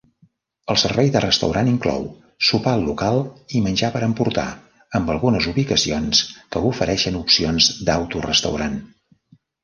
El servei de restaurant inclou: sopar al local i menjar per emportar, amb algunes ubicacions que ofereixen opcions d'autorestaurant.